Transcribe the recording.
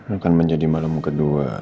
akan menjadi malam kedua